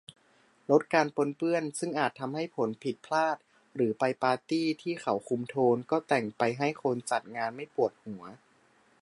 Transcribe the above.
ลดการปนเปื้อนซึ่งอาจทำให้ผลผิดพลาด หรือไปปาร์ตี้ที่เขาคุมโทน ก็แต่งไปให้คนจัดงานไม่ปวดหัว